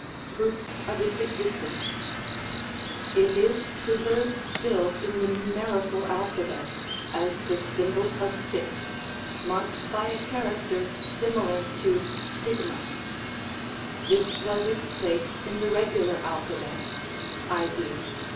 Proofs of its existence. — It is preserved still in the numerical alphabet, as the symbol of 6, marked by a character similar to stigma g. This was its place in the regular alphabet, i. e.